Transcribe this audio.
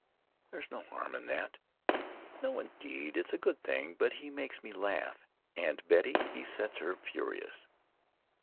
"There's no harm in that." "No, indeed; it's a good thing, but he makes me laugh, and Betty, he sets her furious."